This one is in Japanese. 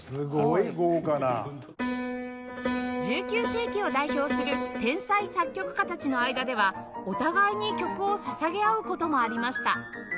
１９世紀を代表する天才作曲家たちの間ではお互いに曲を捧げ合う事もありました